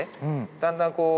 だんだんこう。